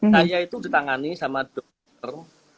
saya itu ditangani sama dokter